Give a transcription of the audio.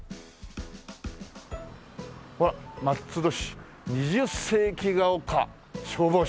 ほら「松戸市二十世紀が丘消防署」。